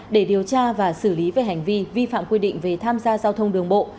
để điều tra và xử lý về hành vi vi phạm quy định về tham gia giao thông đường bộ